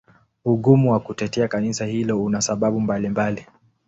Ugumu wa kutetea Kanisa hilo una sababu mbalimbali.